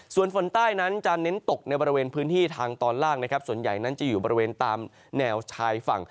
ส่วนฝนใต้นั้นจะเน้นตกในบริเวณพื้นที่ทางตอนล่างนะครับส่วนใหญ่นั้นจะอยู่บริเวณตามแนวชายฝั่ง